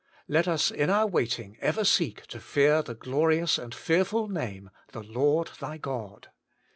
Let us in our waiting 56 WAITING ON GODt ever seek * to fear the glorious and fearful name, The Lord thy God.'